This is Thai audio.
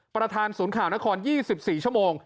ประธานศูนย์ข่าวนคร๒๔ชั่วโมง